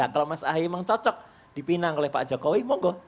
kalau mas ahy memang cocok dipinang oleh pak jokowi mogok